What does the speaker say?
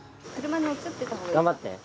頑張って。